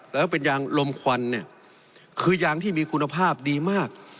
แล้วเป็นยางลมควันเนี่ยคือยางที่มีคุณภาพดีมาก